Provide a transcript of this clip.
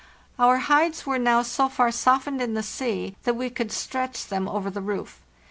Our hides were now so far softened in the sea that we could stretch them over the roof.